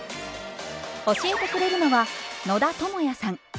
教えてくれるのは野田智也さん。